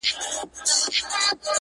ستا بې روخۍ ته به شعرونه ليکم,